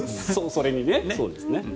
そうですね。